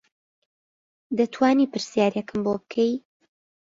دەتوانی پرسیارێکم بۆ بکەی